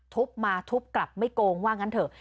ทุบมาทุบกลับไม่โกงว่างั้นเถอะ